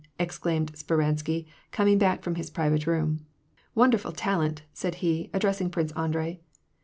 " exclaimed Speransky, coming back from his private room. " Wonderful talent," he said, addressing Prince Andrei.